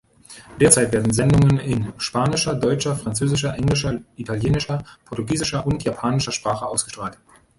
Derzeit werden Sendungen in spanischer, deutscher, französischer, englischer, italienischer, portugiesischer und japanischer Sprache ausgestrahlt.